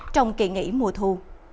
trong kỳ nghỉ mùa thu